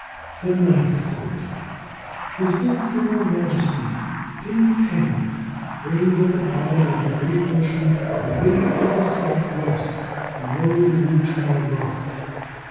THE NINTH COURT. His Infernal Majesty, P'ing Têng, reigns at the bottom of the great Ocean, away to the south west, below the Wu chiao rock.